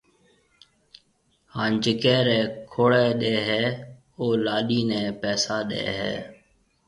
ھان جڪيَ رَي کوڙَي ڏَي ھيََََ او لاڏِي نيَ پيسا ڏَي ھيََََ